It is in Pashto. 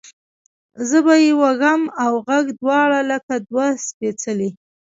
زه به یې وږم اوږغ دواړه لکه دوه سپیڅلي،